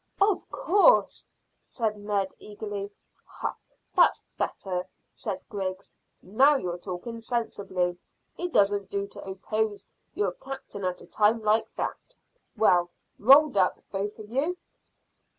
"Of course," said Ned eagerly. "Hah! That's better," said Griggs. "Now you're talking sensibly. It doesn't do to oppose your captain at a time like that. Well rolled up, both of you?"